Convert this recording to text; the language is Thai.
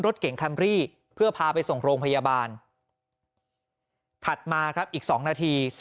รถเก่งคัมรี่เพื่อพาไปส่งโรงพยาบาลถัดมาครับอีก๒นาที